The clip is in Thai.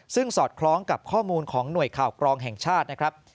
ซึ่งสอดคล้องกับข้อมูลของหน่วยข่าวกรองแห่งชาตินะครับ